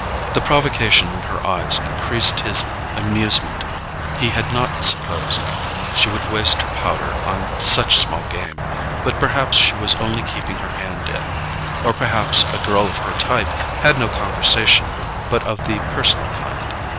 The provocation in her eyes increased his amusement—he had not supposed she would waste her powder on such small game; but perhaps she was only keeping her hand in; or perhaps a girl of her type had no conversation but of the personal kind.